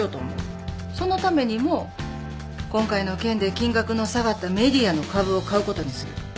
そのためにも今回の件で金額の下がった ＭＥＤＩＡ の株を買うことにする